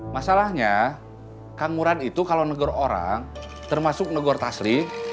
masalahnya kang murad itu kalau negur orang termasuk negur taslim